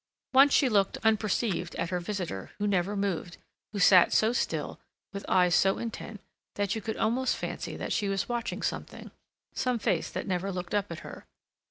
Once she looked unperceived at her visitor, who never moved, who sat so still, with eyes so intent, that you could almost fancy that she was watching something, some face that never looked up at her.